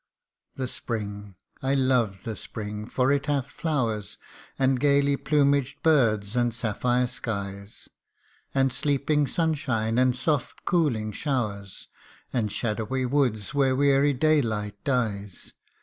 ' The spring ! I love the spring ! for it hath flowers, And gaily plumaged birds, and sapphire skies, And sleeping sunshine, and soft cooling showers, And shadowy woods where weary daylight dies.